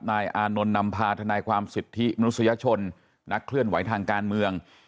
อานนท์นำพาทนายความสิทธิมนุษยชนนักเคลื่อนไหวทางการเมือง